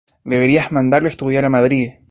Deberías mandarlo a estudiar a Madrid.